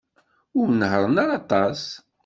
Ur nehhṛen ara aṭas.